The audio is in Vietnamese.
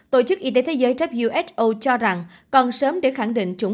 tổ chức y tế thế giới who cho rằng còn sớm để khẳng định chủ